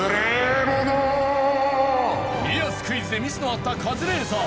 家康クイズでミスのあったカズレーザー。